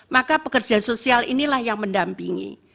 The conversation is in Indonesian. maka pekerja sosial inilah yang mendampingi